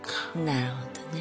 なるほどね。